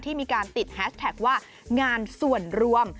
มีการติดแฮสแท็กว่างานส่วนรวม